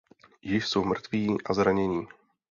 Již jsou mrtví a zranění.